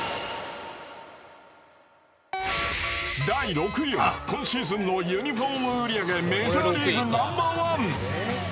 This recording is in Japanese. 第６位は、今シーズンのユニフォーム売り上げメジャーリーグナンバー１。